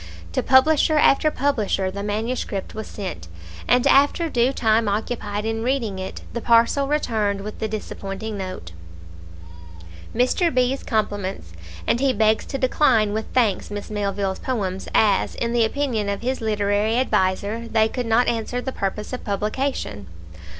To publisher after publisher the manuscript was sent, and after due time occupied in reading it, the parcel returned with the disappointing note "Mr. B 's compliments, and he begs to decline with thanks Miss Melville's poems, as, in the opinion of his literary adviser, they could not answer the purpose of publication."